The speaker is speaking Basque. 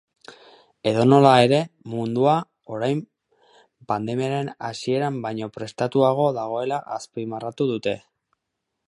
Edonola ere, mundua orain pandemiaren hasieran baino prestatuago dagoela azpimarratu dute.